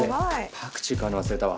パクチー買うの忘れたわ。